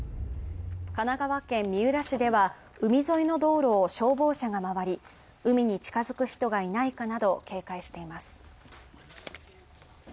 神奈川県三浦市では海沿いの道路を消防車が回り、海に近づく人がいないかなど、警戒しています。